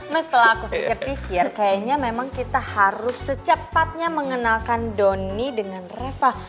nah setelah aku pikir pikir kayaknya memang kita harus secepatnya mengenalkan doni dengan reva